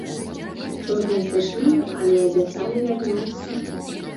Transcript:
Чорныя сышлі, але абяцалі вярнуцца.